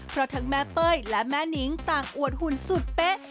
เพราะทั้งแม่เป้ยและแม่นิ้งต่างอวดหุ่นสุดเป๊ะ